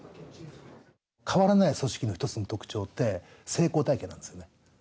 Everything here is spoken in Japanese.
変わらない組織の一つの特徴って、成功体験なんですよね。